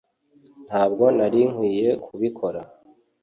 ntabwo nari nkwiye kubikora